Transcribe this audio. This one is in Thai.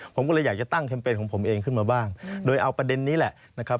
ผมก็เลยอยากจะตั้งแคมเปญของผมเองขึ้นมาบ้างโดยเอาประเด็นนี้แหละนะครับ